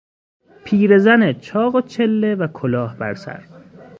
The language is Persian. پیرزن چاق و چله و کلاه بر سر